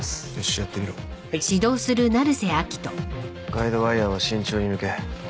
ガイドワイヤーは慎重に抜け。